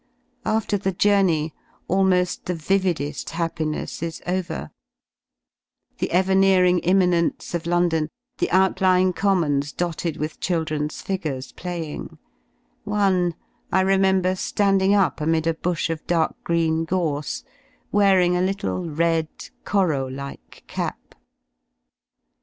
After the journey almoil the vivide^ happiness is over: the evernearing imminence of London, the out lying commons dotted with children's figures playing, one I remember landing up amid a bush of dark green gorse, wearing a little red Corot like cap.